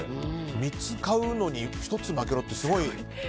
３つ買うのに１つまけろって。